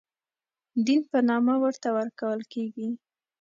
دین په نامه ورته ورکول کېږي.